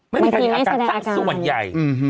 ไม่มีใครมีอาการสักส่วนใหญ่